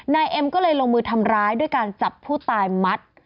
นายเอ็มก็เลยลงมือทำร้ายด้วยการจับผู้ตายมัด